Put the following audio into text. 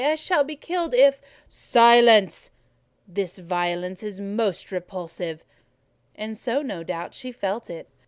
I shall be killed if—" "Silence! This violence is all most repulsive:" and so, no doubt, she felt it.